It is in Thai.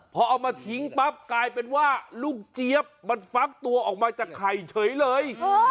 พอเอามาทิ้งปั๊บกลายเป็นว่าลูกเจี๊ยบมันฟักตัวออกมาจากไข่เฉยเลย